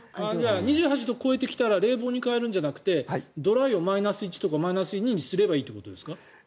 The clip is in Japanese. ２８度を超えてきたら冷房に変えるんじゃなくてドライをマイナス１とかマイナス２にすればいいということですか？